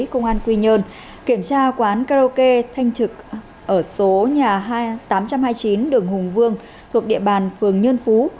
công an quy nhơn kiểm tra quán karaoke thanh trực ở số nhà tám trăm hai mươi chín đường hùng vương thuộc địa bàn phường nhân phú